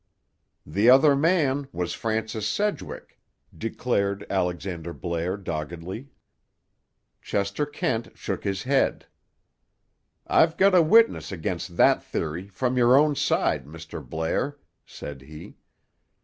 "The other man was Francis Sedgwick," declared Alexander Blair doggedly. Chester Kent shook his head. "I've got a witness against that theory, from your own side, Mr. Blair," said he.